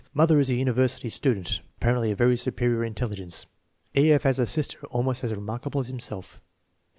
Mother is a university student apparently of very superior intelli gence. E. F. has a sister almost as remarkable as himself.